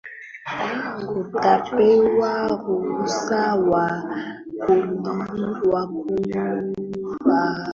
utapewa ruhusa ya kutumia masafa ya redio yaliyochaguliwa